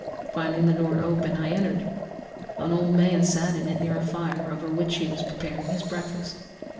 Finding the door open, I entered. An old man sat in it, near a fire, over which he was preparing his breakfast.